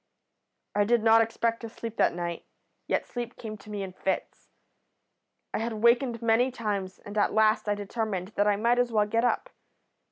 "I did not expect to sleep that night, yet sleep came to me in fits. I had wakened many times, and at last I determined that I might as well get up.